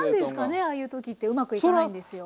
ああいう時ってうまくいかないんですよ。